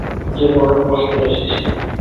যে border cross করে এসেছে।